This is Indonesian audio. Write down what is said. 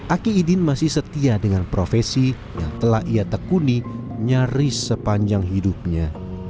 aki idin masih setia dengan profesi yang telah ia tekuni nyaris sepanjang hidupnya